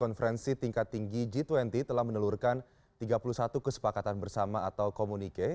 konferensi tingkat tinggi g dua puluh telah menelurkan tiga puluh satu kesepakatan bersama atau komunike